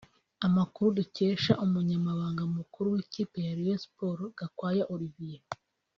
Amakuru dukesha Umunyamabanga Mukuru w’ikipe ya Rayon Sports Gakwaya Olivier